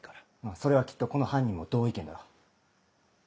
それはきっとこの犯人も同意見だろう。